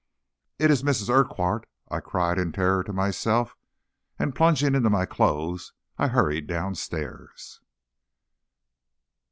"It is Mrs. Urquhart!" I cried in terror, to myself; and plunging into my clothes, I hurried down stairs.